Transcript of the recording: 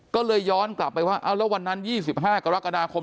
ก็เลยย้อนกลับไปว่าเอาแล้ววันนั้น๒๕กรกฎาคม